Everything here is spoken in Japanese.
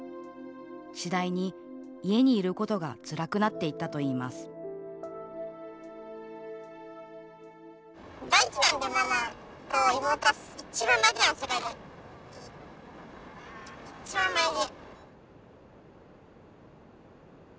次第に家にいることがつらくなっていったといいます去年のクリスマス。